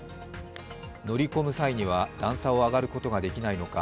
乗り込む際には段差を上がることができないのか